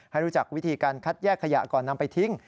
รู้จักวิธีการคัดแยกขยะก่อนนำไปทิ้ง